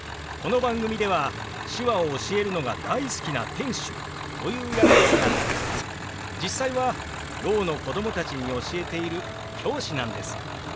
この番組では手話を教えるのが大好きな店主という役ですが実際はろうの子供たちに教えている教師なんです。